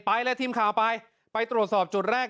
ไปเลยทีมข่าวไปไปตรวจสอบจุดแรก